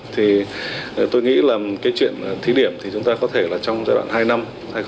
thì tôi nghĩ là cái chuyện thí điểm thì chúng ta có thể là trong giai đoạn hai năm